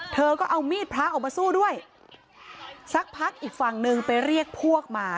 เธอก็เอามีดพระออกมาสู้ด้วยสักพักอีกฝั่งหนึ่งไปเรียกพวกมา